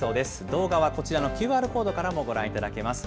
動画はこちらのＱＲコードからもご覧いただけます。